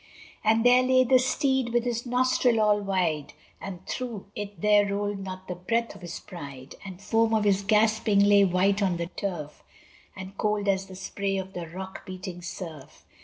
And there lay the steed with his nostril all wide, But through it there rolled not the breath of his pride: And the foam of his gasping lay white on the turf, And cold as the spray of the rock beating surf.